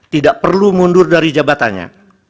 tidak perlu mundur dari jabatannya